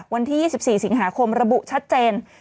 วันที่๒๔สิงหาคมระบุชัดเจน